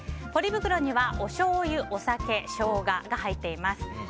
ポリ袋にはおしょうゆ、お酒ショウガが入っています。